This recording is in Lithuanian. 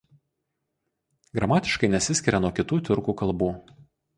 Gramatiškai nesiskiria nuo kitų tiurkų kalbų.